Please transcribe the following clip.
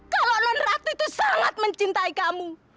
kalau non ratu itu sangat mencintai kamu